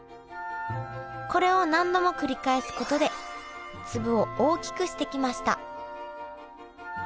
これを何度も繰り返すことで粒を大きくしてきました。